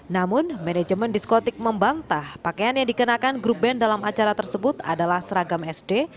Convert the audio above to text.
namun manajemen diskotik membantah pakaian yang dikenakan grup band dalam acara tersebut adalah seragam sd